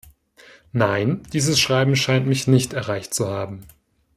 Nein, dieses Schreiben scheint mich nicht erreicht zu haben.